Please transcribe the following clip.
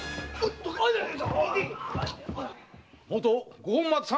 元五本松藩